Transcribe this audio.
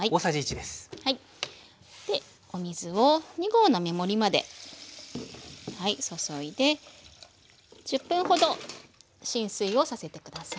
でお水を２合の目盛りまで注いで１０分ほど浸水をさせて下さい。